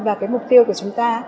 và mục tiêu của chúng ta